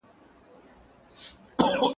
ولي ګاونډی هیواد په نړیواله کچه ارزښت لري؟